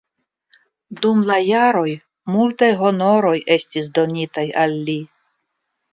Dum la jaroj multaj honoroj estis donitaj al li.